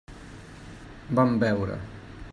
Van beure.